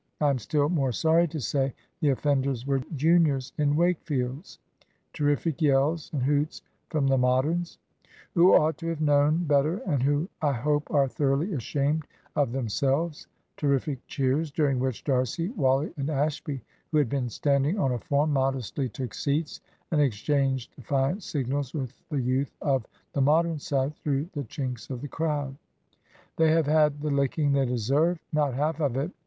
I am still more sorry to say the offenders were juniors in Wakefield's," (terrific yells and hoots from the Moderns), "who ought to have known better, and who I hope are thoroughly ashamed of themselves," (terrific cheers, during which, D'Arcy, Wally, and Ashby, who had been standing on a form, modestly took seats and exchanged defiant signals with the youth of the Modern side through the chinks of the crowd). "They have had the licking they deserve," ("Not half of it!"